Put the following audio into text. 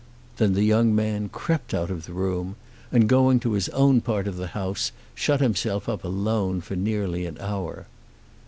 Then the young man crept out of the room, and going to his own part of the house shut himself up alone for nearly an hour.